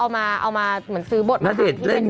สำหรับคู่ของมาร์คกับทางคิมบรีล่าสุดมาร์คออกมาเปิดเผยบอกว่า